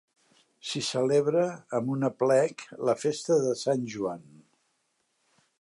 S'hi celebra, amb un aplec, la festa de Sant Joan.